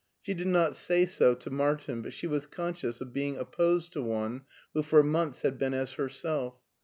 She did not say so to Martin, but she was conscious of being opposed to one who for months had been as herself.